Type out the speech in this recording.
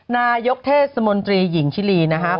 นายกเทศมนตรีหญิงชิลีนะครับ